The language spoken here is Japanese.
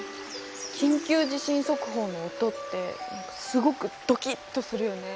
緊急地震速報の音ってすごくドキッとするよね。